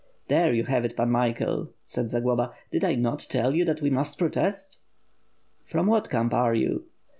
"There you have it. Pan Michael!" said Zagloba, "did I not tell you that we must protest?" "From what camp are you?"